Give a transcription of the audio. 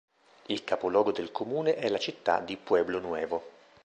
Il capoluogo del comune è la città di Pueblo Nuevo.